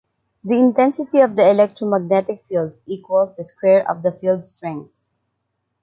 The intensity of the electromagnetic field equals the square of the field strength.